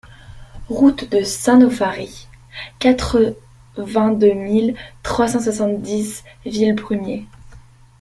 Route de Saint-Nauphary, quatre-vingt-deux mille trois cent soixante-dix Villebrumier